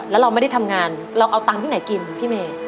แล้วเราไม่ได้ทำงานเราเอาตังค์ที่ไหนกินพี่เมย์